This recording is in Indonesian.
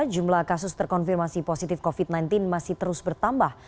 jumlah kasus terkonfirmasi positif covid sembilan belas masih terus bertambah